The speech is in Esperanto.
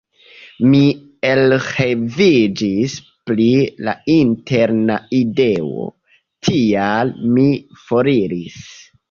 Mi elreviĝis pri la interna ideo, tial mi foriris.